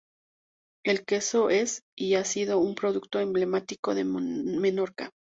El queso es y ha sido un producto emblemático de Menorca.